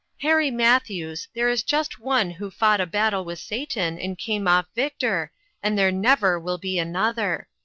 Harry Matthews, there is just One who fought a battle with Satan and came off victor, and there never will be another.